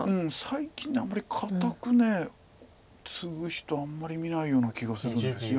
最近あんまり堅くツグ人あんまり見ないような気がするんです。